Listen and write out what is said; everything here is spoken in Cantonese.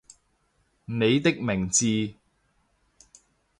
你的名字